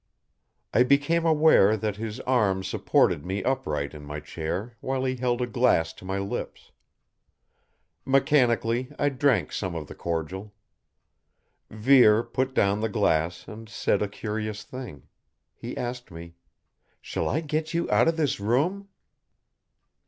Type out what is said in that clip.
I became aware that his arm supported me upright in my chair while he held a glass to my lips. Mechanically I drank some of the cordial. Vere put down the glass and said a curious thing. He asked me: "Shall I get you out of this room?"